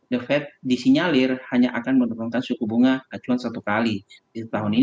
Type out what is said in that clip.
the fed disinyalir hanya akan menurunkan suku bunga acuan satu kali